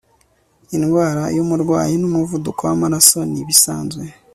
indwara yumurwayi numuvuduko wamaraso nibisanzwe